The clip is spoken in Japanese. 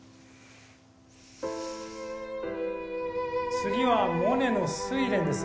・次はモネの「睡蓮」です